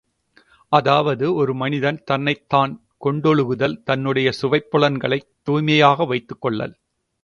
அதாவது ஒருமனிதன் தன்னைத் தான் கொண்டொழுகுதல் தன்னுடைய சுவைப் புலன்களைத் தூய்மையாக வைத்துக் கொள்ளல்.